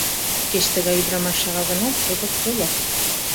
Кеч тыгай ӱдырамаш шагал гынат, содык, улак.